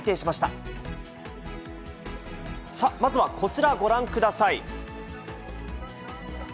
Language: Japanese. まずはこちら、ご覧ください。